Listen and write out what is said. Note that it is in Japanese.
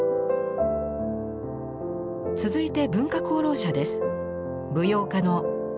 続いて文化功労者です。